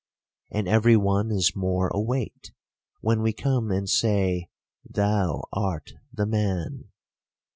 And every one is more awaked, when we come and say. Thou art the man.